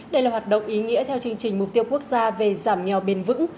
đây là hoạt động ý nghĩa theo chương trình mục tiêu quốc gia về giảm nghèo bền vững